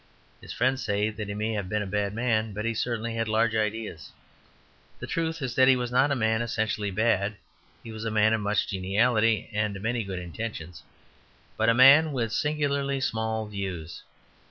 His friends say that he may have been a bad man, but he certainly had large ideas. The truth is that he was not a man essentially bad, he was a man of much geniality and many good intentions, but a man with singularly small views.